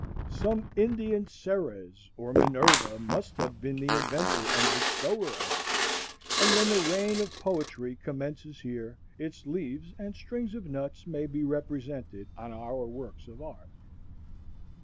Some Indian Ceres or Minerva must have been the inventor and bestower of it; and when the reign of poetry commences here, its leaves and string of nuts may be represented on our works of art.